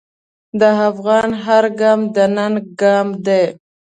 د افغان هر ګام د ننګ ګام دی.